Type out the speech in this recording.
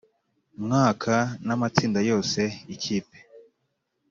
mwaka na matsinda yose yikipe